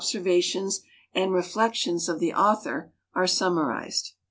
servations and reflec tions of the author are summarized.